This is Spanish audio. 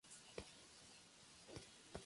¿habrías partido?